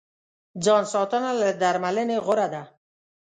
ځان ساتنه له درملنې غوره ده.